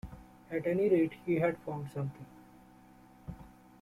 At any rate, he had found something.